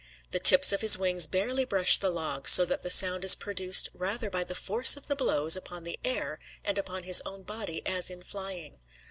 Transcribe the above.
The tips of his wings barely brush the log, so that the sound is produced rather by the force of the blows upon the air and upon his own body as in flying.